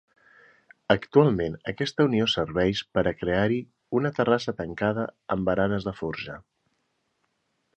Actualment aquesta unió serveix per a crear-hi una terrassa tancada amb baranes de forja.